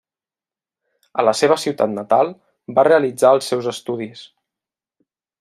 A la seva ciutat natal, va realitzar els seus estudis.